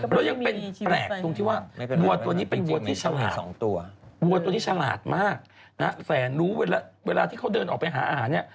แล้วยังเป็นแปลกตรงที่ว่าวัวตัวนี้เป็นวัวที่ฉลาดวัวตัวนี้ฉลาดมากนะฮะแสนรู้เวลาที่เขาเดินออกไปหาอาหารเนี่ย